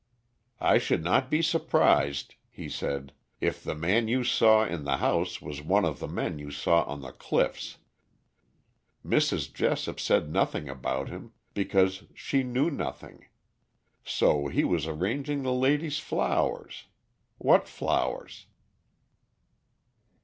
"I should not be surprised," he said, "if the man you saw in the house was one of the men you saw on the cliffs. Mrs. Jessop said nothing about him, because she knew nothing. So he was arranging the lady's flowers. What flowers?"